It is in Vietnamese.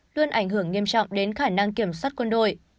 luôn ảnh hưởng nghiêm trọng đến khả năng kiểm soát quân đội